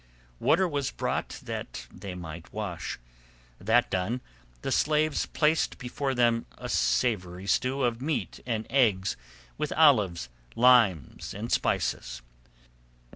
Water was brought that they might wash. That done, the slaves placed before them a savoury stew of meat and eggs with olives, limes, and spices.